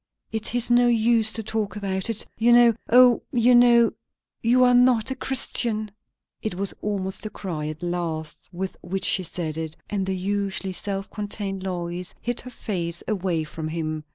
It is no use to talk about it. You know O, you know you are not a Christian!" It was almost a cry at last with which she said it; and the usually self contained Lois hid her face away from him.